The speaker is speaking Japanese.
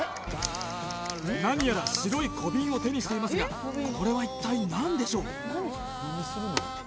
何やら白い小瓶を手にしていますがこれは一体何でしょう？